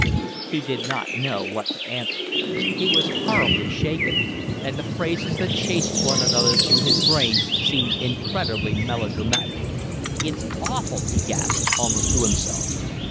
He did not know what to answer; he was horribly shaken; and the phrases that chased one another through his brain seemed incredibly melodramatic. "It's awful," he gasped, almost to himself.